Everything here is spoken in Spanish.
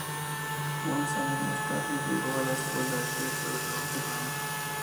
Unos años más tarde llegó a la escuela de teatro de Raúl Serrano.